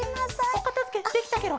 おかたづけできたケロ。